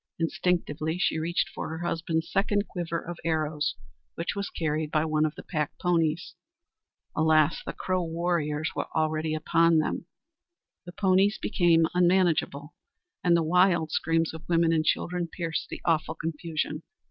Instinctively she reached for her husband's second quiver of arrows, which was carried by one of the pack ponies. Alas! the Crow warriors were already upon them! The ponies became unmanageable, and the wild screams of women and children pierced the awful confusion.